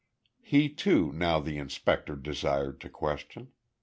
He, too, now the inspector desired to question.